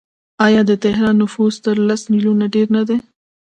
آیا د تهران نفوس تر لس میلیونه ډیر نه دی؟